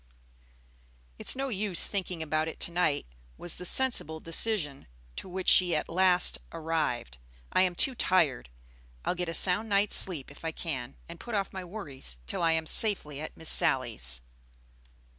"It's no use thinking about it to night," was the sensible decision to which she at last arrived. "I am too tired. I'll get a sound night's sleep if I can, and put off my worries till I am safely at Miss Sally's."